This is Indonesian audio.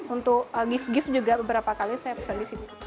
untuk gift gift juga beberapa kali saya pesan di sini